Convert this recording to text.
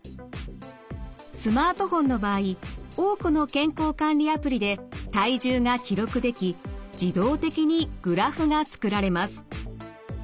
スマートフォンの場合多くの健康管理アプリで体重が記録でき自動的にグラフが作られます。